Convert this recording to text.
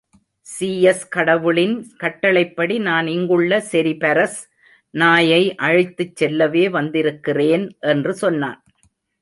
Zeus கடவுளின் கட்டளைப்படி நான் இங்குள்ள செரிபரஸ் நாயை அழைத்துச் செல்லவே வந்திருக்கிறேன்! என்று சொன்னான்.